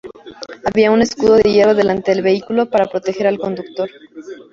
Había un escudo de hierro delante del vehículo para proteger al conductor.